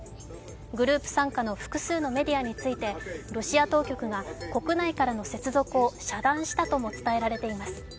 グループ傘下の複数のメディアについてロシア当局が国内からの接続を遮断したとも伝えられています。